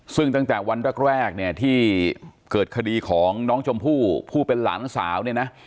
ซึ่งตั้งแต่วันแรกที่เกิดคดีของน้องจมพู่ผู้เป็นหลานสาว